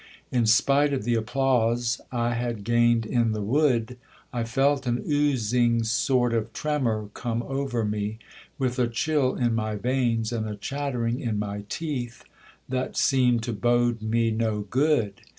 In spite of the applause I had gained in the wood, I felt an ooaing sort of tremour come over me, with a chill in my veins and a chattering in my teeth that seemed to bode me no good.